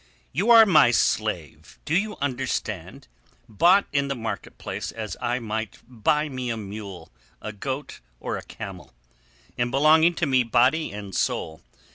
"You are my slave, do you understand?—bought in the market place as I might buy me a mule, a goat, or a camel—and belonging to me body and soul.